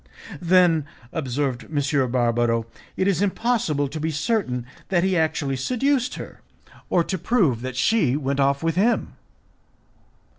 "Then," observed M. Barbaro, "it is impossible to be certain that he actually seduced her, or to prove that she went off with him."